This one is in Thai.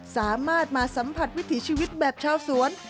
สามารถมาสัมผัสวิถีชีวิตแบบชาวสวน